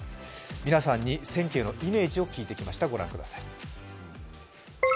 皆さんに選挙のイメージを聞いてきました。